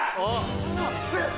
・えっ？